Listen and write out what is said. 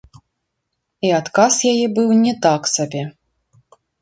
І адказ яе быў не так сабе.